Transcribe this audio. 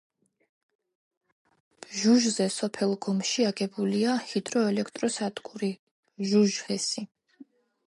ბჟუჟზე სოფელ გომში აგებულია ჰიდროელექტროსადგური ბჟუჟჰესი.